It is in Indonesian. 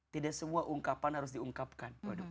tidak semua ungkapan harus diungkapkan